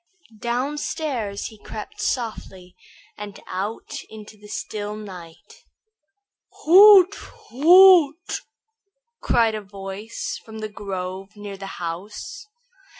Downstairs he crept softly and out into the still night. "Hoot! hoot!" cried a voice from the grove near the house.